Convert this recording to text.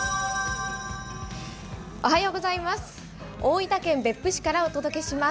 大分県別府市からお届けします。